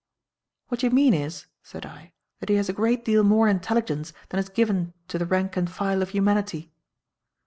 "What you mean is," said I, "that he has a great deal more intelligence than is given to the rank and file of humanity."